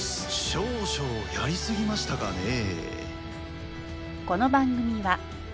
少々やりすぎましたかねえ。